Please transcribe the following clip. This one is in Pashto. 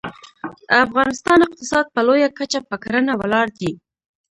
د افغانستان اقتصاد په لویه کچه په کرنه ولاړ دی